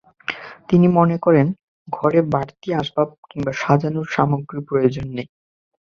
তিনি মনে করেন, ঘরে বাড়তি আসবাব কিংবা সাজানোর সামগ্রীর প্রয়োজন নেই।